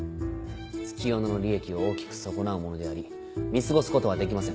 月夜野の利益を大きく損なうものであり見過ごすことはできません。